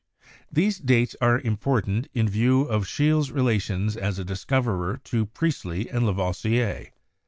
These dates are important in view of Scheele's relations as a discoverer to Priestley and Lavoisier.